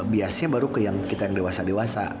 biasanya baru ke yang kita yang dewasa dewasa